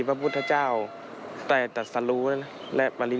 อะไรอยู่ที่ดูดเราไม่ดี